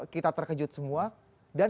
kita terkejut semua dan